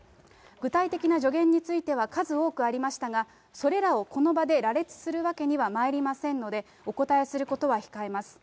具体的な助言については数多くありましたが、それらをこの場で羅列するわけにはまいりませんので、お答えすることは控えます。